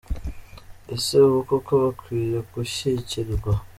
ese ubu koko bakwiye gushyigikirwa ?